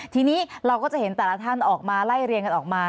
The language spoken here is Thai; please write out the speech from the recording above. ทีนี้เราก็จะเห็นแต่ละท่านออกมาไล่เรียงกันออกมา